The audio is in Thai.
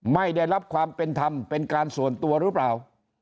ไม่ได้รับความเป็นธรรมเป็นการส่วนตัวหรือเปล่า